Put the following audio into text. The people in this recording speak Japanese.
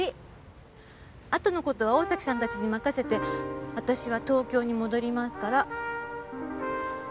あとの事は大崎さんたちに任せて私は東京に戻りますから。